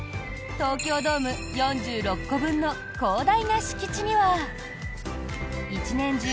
東京ドーム４６個分の広大な敷地には一年中